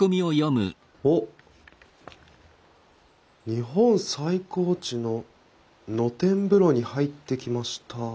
「日本最高地の野天風呂に入ってきました！！